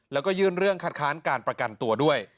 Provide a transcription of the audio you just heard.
แล้วก็ยื่นเรื่องคัดค้านการประกันตัวด้วย